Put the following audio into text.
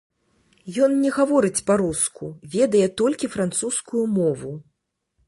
Ён не гаворыць па-руску, ведае толькі французскую мову.